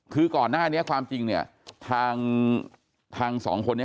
คือก่อนหน้านี้ความจริงทางสองคน